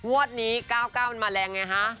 งวดนี้๙๙มันมาแรงไงฮะ